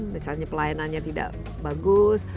misalnya pelayanannya tidak bagus